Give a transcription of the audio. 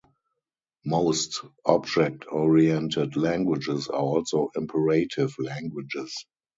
Most object-oriented languages are also imperative languages.